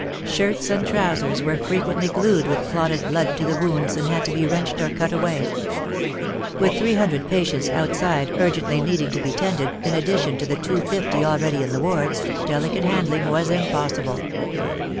Shirts and trousers were frequently glued with clotted blood to the wounds, and had to be wrenched or cut away. With 300 patients out side urgently needing to be tended, in addition to the 250 already in the wards, delicate hand ling was impossible.